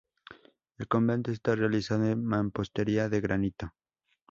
El convento está realizado en mampostería de granito.